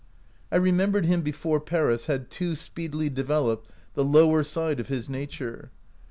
I remembered him before Paris had too speedily developed the lower side of his nature.